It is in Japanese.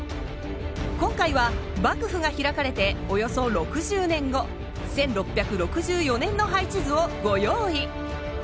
今回は幕府が開かれておよそ６０年後１６６４年の配置図をご用意。